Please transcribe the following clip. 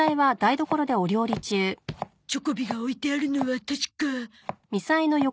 チョコビが置いてあるのは確か。